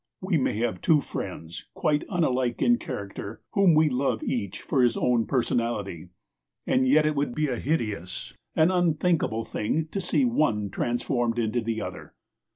We may have two friends, quite unlike in character, whom we love each for his own personality, and yet it would be a hideous, an unthinkable thing to see one transformed into the other.